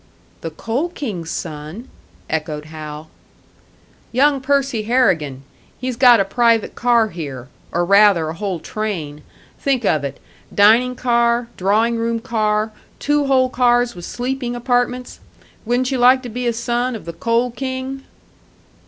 "The Coal King's son?" echoed Hal. "Young Percy Harrigan. He's got a private car here or rather a whole train. Think of it dining car, drawing room car, two whole cars with sleeping apartments! Wouldn't you like to be a son of the Coal King?"